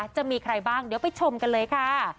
จะมีใครบ้างเดี๋ยวไปชมกันเลยค่ะ